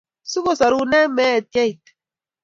Si kosorun eng' me-et ye it